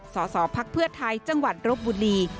สสพักเพื่อไทยจังหวัดรบบุรี